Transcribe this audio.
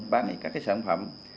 bán các sản phẩm